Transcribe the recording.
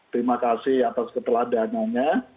terima kasih atas keteladananya